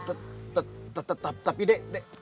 tetap tetap tapi dek dek